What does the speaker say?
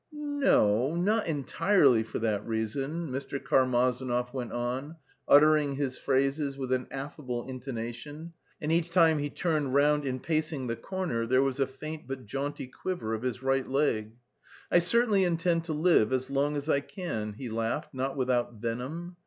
"N no, not entirely for that reason," Mr. Karmazinov went on, uttering his phrases with an affable intonation, and each time he turned round in pacing the corner there was a faint but jaunty quiver of his right leg. "I certainly intend to live as long as I can." He laughed, not without venom.